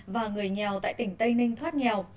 và người nghèo tại tỉnh tây ninh thoát nghèo